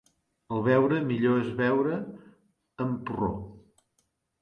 El beure millor és beure amb porró.